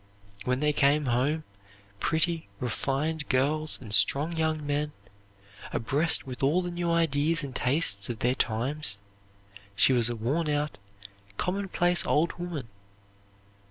When they came home, pretty, refined girls and strong young men, abreast with all the new ideas and tastes of their times, she was a worn out, commonplace old woman.